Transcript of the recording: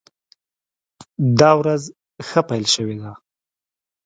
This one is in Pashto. دا ورځ ښه پیل شوې ده.